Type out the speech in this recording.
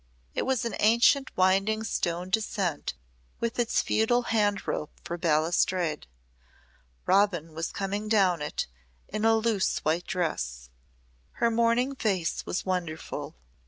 It was an ancient winding stone descent with its feudal hand rope for balustrade. Robin was coming down it in a loose white dress. Her morning face was wonderful.